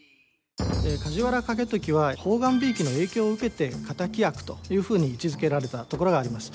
梶原景時は判官びいきの影響を受けて敵役というふうに位置づけられたところがあります。